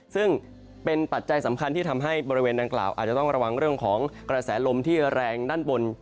ซึ่งเป็นปัจจัยสำคัญที่ทำให้บริเวณดังกล่าวอาจจะต้องระวังเรื่องของกระแสลมที่แรงด้านบน